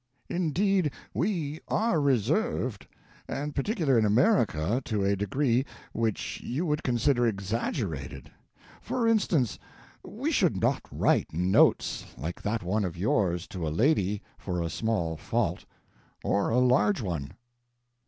Indeed, we are reserved, and particular in America to a degree which you would consider exaggerated. For instance, we should not write notes like that one of yours to a lady for a small fault or a large one.